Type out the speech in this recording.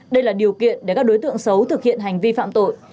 đây là điều kiện để các đối tượng xấu thực hiện hành vi phạm tội